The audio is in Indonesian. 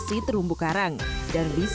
sekarang kami ingin mem algebra